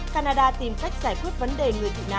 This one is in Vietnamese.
canada tìm cách giải quyết vấn đề người bị nạn từ mỹ